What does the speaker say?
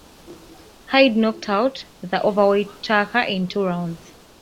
Hide knocked out the overweight Tucker in two rounds.